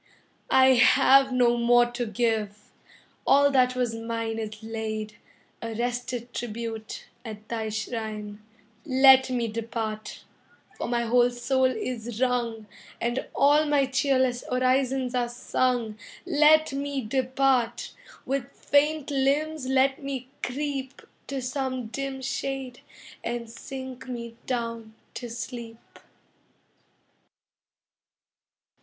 I have no more to give, all that was mine Is laid, a wrested tribute, at thy shrine; Let me depart, for my whole soul is wrung, And all my cheerless orisons are sung; Let me depart, with faint limbs let me creep To some dim shade and sink me down to sleep.